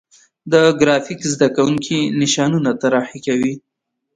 د ګرافیک زده کوونکي نشانونه طراحي کوي.